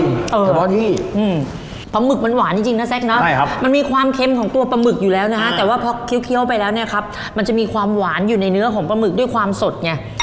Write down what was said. เพราะนี่ปลาหมึกมันหวานจริงนะแซ็กเนอะมันมีความเค็มของตัวปลาหมึกอยู่แล้วนะฮะแต่ว่าพอเคี้ยวไปแล้วเนี่ยครับมันจะมีความหวานอยู่ในเนื้อของปลาหมึกด้วยความสดไง